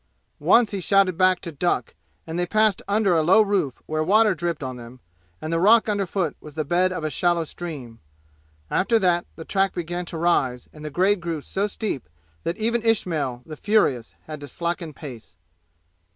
Once he shouted back to duck, and they passed under a low roof where water dripped on them, and the rock underfoot was the bed of a shallow stream. After that the track began to rise, and the grade grew so steep that even Ismail, the furious, had to slacken pace.